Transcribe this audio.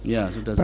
ya sudah siap